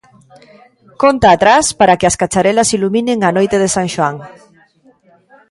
Conta atrás para que as cacharelas iluminen a noite de San Xoán.